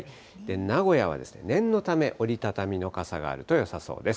名古屋は念のため、折り畳みの傘があるとよさそうです。